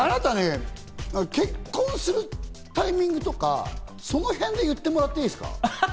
あなたね、結婚するタイミングとか、そのへんでいってもらっていいですか？